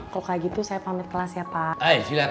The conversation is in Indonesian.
kalau kayak gitu saya pamit kelas ya pak